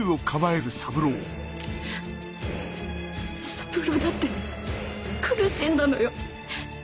三郎だって苦しんだのよ。